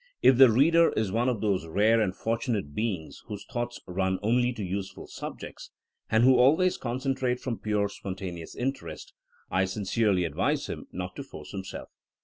If the reader is one of those rare and fortunate be ings whose thoughts run only to useful subjects, and who always concentrate from pure spon taneous interest, I sincerely advise him not to force himself.